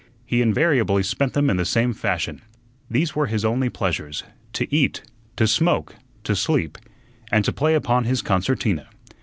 He invariably spent them in the same fashion. These were his only pleasures to eat, to smoke, to sleep, and to play upon his concertina.